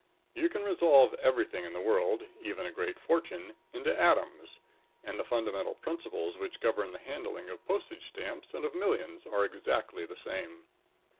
You can resolve everything in the world, even a great fortune, into atoms. And the fundamental principles which govern the handling of postage stamps and of millions are exactly the same.